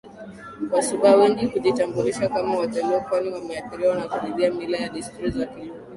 Wasuba wengi hujitambulisha kama Waluo kwani wameathiriwa na kuridhia mila na desturi za Kiluo